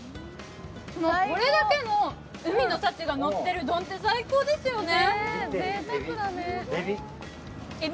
これだけの海の幸がのってる丼って最高ですよね。